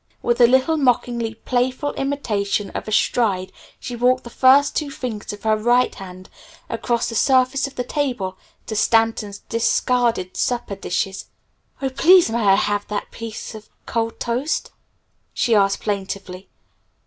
With a little mockingly playful imitation of a stride she walked the first two fingers of her right hand across the surface of the table to Stanton's discarded supper dishes. "Oh, please may I have that piece of cold toast?" she asked plaintively.